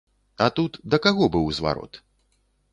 А тут да каго быў зварот?